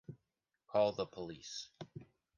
Call the police.